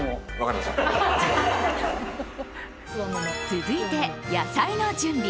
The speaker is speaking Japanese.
続いて、野菜の準備。